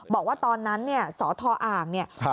บอกว่าตอนนั้นนี่สอทรอ่าง